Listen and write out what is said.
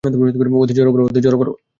ওদের জড়ো করো।